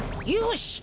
よし！